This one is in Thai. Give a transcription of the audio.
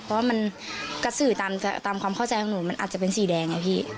เพราะว่ามันกระสือต่างของความเข้าใจของหนูอาจจะสีแดงนะพี่